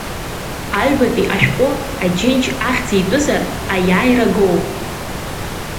Аҩбатәи ашәҟәы Аџьынџь ахьӡитәызар, Аиааира гоуп!